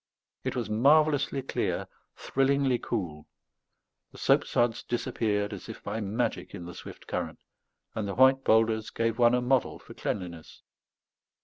It was marvelously clear, thrillingly cool; the soap suds disappeared as if by magic in the swift current, and the white boulders gave one a model for cleanliness.